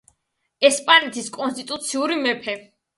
ესპანეთის კონსტიტუციური მეფე.